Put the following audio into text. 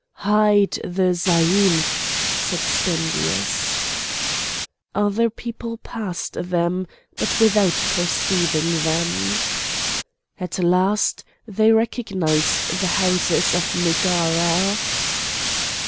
"Hide the zaïmph!" said Spendius. Other people passed them, but without perceiving them. At last they recognised the houses of Megara.